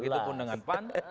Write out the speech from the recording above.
begitupun dengan pan